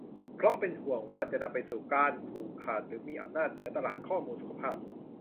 เพราะเป็นห่วงว่าจะนำไปสู่การผูกขาดหรือมีอำนาจเหนือตลาดข้อมูลสุขภาพ